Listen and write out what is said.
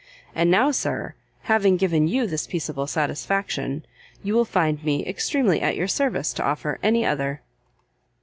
And now, sir, having given you this peaceable satisfaction, you will find me extremely at your service to offer any other."